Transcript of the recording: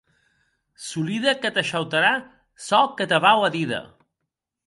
Solide que te shautarà çò que te vau a díder.